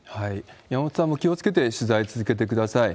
山本さんも気をつけて取材続けてください。